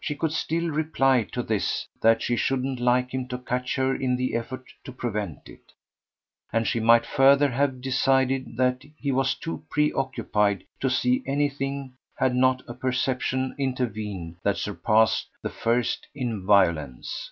She could still reply to this that she shouldn't like him to catch her in the effort to prevent it; and she might further have decided that he was too preoccupied to see anything had not a perception intervened that surpassed the first in violence.